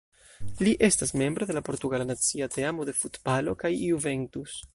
Li estas membro de la portugala nacia teamo de futbalo kaj Juventus.